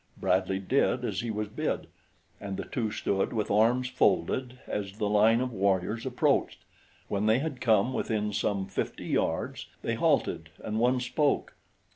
Bradley did as he was bid, and the two stood with arms folded as the line of warriors approached. When they had come within some fifty yards, they halted and one spoke.